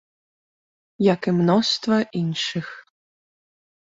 Як і мноства іншых.